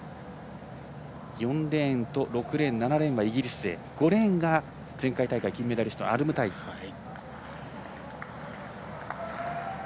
４レーンと６レーン７レーンはイギリス勢５レーンが前回大会の金メダリストアルムタイリです。